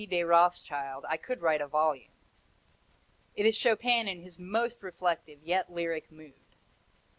de Rothschild I could write a volume. It is Chopin in his most reflective, yet lyric mood.